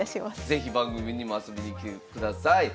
是非番組にも遊びに来てください。